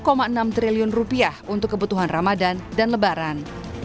rp satu enam triliun untuk kebutuhan ramadan dan lebaran